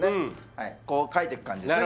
はいこう描いてく感じですね